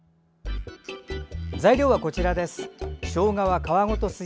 材料はこちらです。